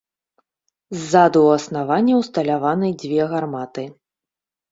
Ззаду ў аснавання ўсталяваны дзве гарматы.